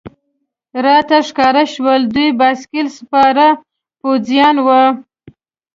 راته ښکاره شول، دوی بایسکل سپاره پوځیان و.